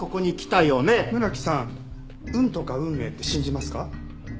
村木さん運とか運命って信じますか？